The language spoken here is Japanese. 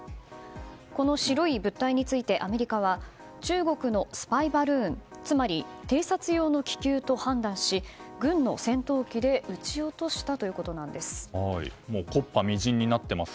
この白い物体についてアメリカは中国のスパイバルーンつまり、偵察用の気球と判断し軍の戦闘機で撃ち落としたということです。